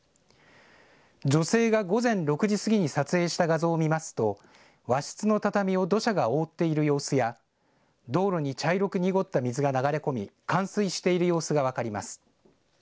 女性が午前６時過ぎに撮影した画像を見ますと和室の畳を土砂が覆っている様子や道路に茶色く濁った水が流れ込み冠水している様子が分かります。